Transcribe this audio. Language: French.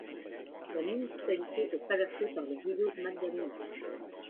La municipalité est traversée par le río Magdalena.